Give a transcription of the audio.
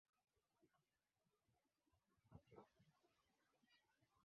Makaa yalimchoma mkononi